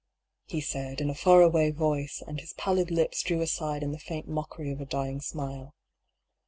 he said, in a far away voice, and his pal lid lips drew aside in the faint mockery of a dying smile.